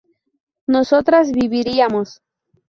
nosotras viviríamos